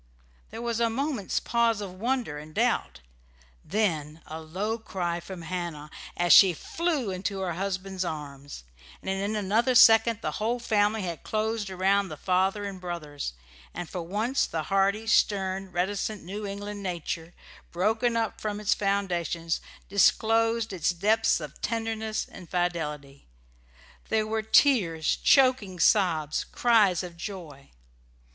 There was a moment's pause of wonder and doubt, then a low cry from Hannah, as she flew into her husband's arms; and in another second the whole family had closed around the father and brothers, and for once the hardy, stern, reticent New England nature, broken up from its foundations, disclosed its depths of tenderness and fidelity. There were tears, choking sobs, cries of joy.